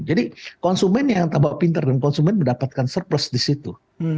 jadi konsumen yang tambah pintar dan konsumen mendapatkan surplus di situ